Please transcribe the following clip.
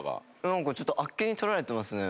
なんかちょっとあっけにとられてますね。